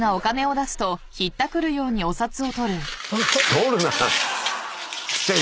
取るな！